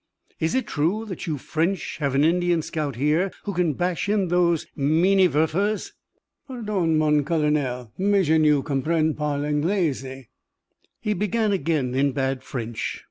"Is it true that you French have an Indian scout here who can bash in those Minenwerfers?" "Pardon, mon colonel, mais je ne comprends pas l'anglais." He began again in bad French.